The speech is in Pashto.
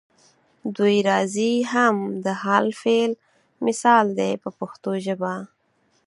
دوی راځي هم د حال فعل مثال دی په پښتو ژبه.